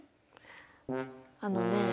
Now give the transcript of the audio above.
あのね。